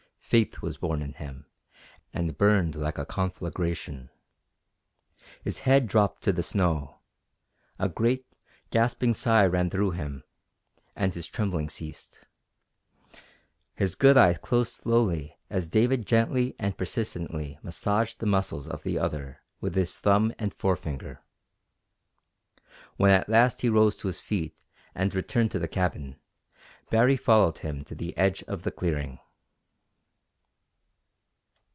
Faith was born in him, and burned like a conflagration. His head dropped to the snow; a great, gasping sigh ran through him, and his trembling ceased. His good eye closed slowly as David gently and persistently massaged the muscles of the other with his thumb and forefinger. When at last he rose to his feet and returned to the cabin, Baree followed him to the edge of the clearing.